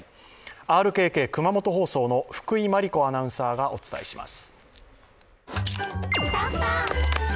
ＲＫＫ熊本放送の福居万里子アナウンサーがお伝えします。